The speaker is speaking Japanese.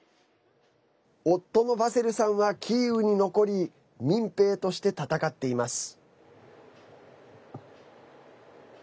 夫のヴァセルさんはキーウに残り民兵として戦っています。